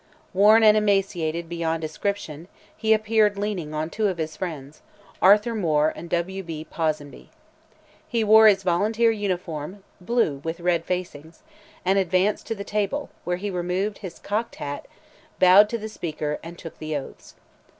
Worn and emaciated beyond description, he appeared leaning on two of his friends, Arthur Moore and W. B. Ponsonby. He wore his volunteer uniform, blue with red facings, and advanced to the table, where he removed his cocked hat, bowed to the Speaker, and took the oaths.